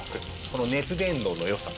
この熱伝導の良さ。